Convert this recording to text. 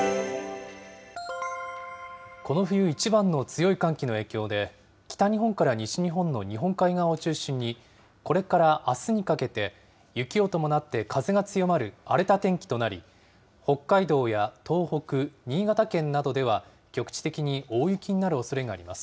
この冬一番の強い寒気の影響で、北日本から西日本の日本海側を中心に、これからあすにかけて、雪を伴って風が強まる荒れた天気となり、北海道や東北、新潟県などでは、局地的に大雪になるおそれがあります。